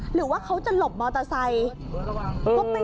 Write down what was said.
หรือว่าเขาจะหลบมอเตอร์ไซค์